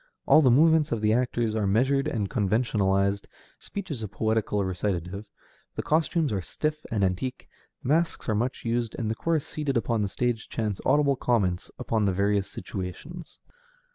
All the movements of the actors are measured and conventionalized, speech is a poetical recitative, the costumes are stiff and antique, masks are much used, and a chorus seated upon the stage chants audible comments upon the various situations.